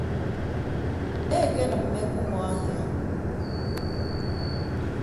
Ekenịmme ke umuahia.